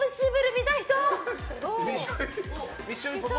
見た人。